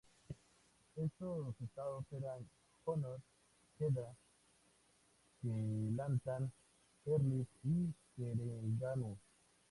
Estos estados eran Johor, Kedah, Kelantan, Perlis, y Terengganu.